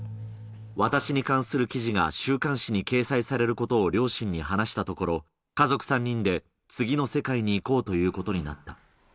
私に関する記事が週刊誌に掲載されることを両親に話したところ、家族３人で次の世界に行こうということになった。